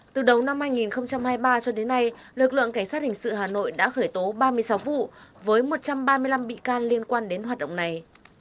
từ đầu năm hai nghìn hai mươi ba cho đến nay lực lượng cảnh sát hình sự hà nội đã khởi tố ba mươi sáu vụ với một trăm ba mươi năm bị can liên quan đến hoạt động này